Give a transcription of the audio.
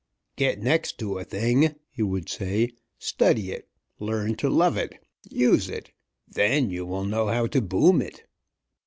"Get next to a thing," he would say. "Study it, learn to love it, use it then you will know how to boom it.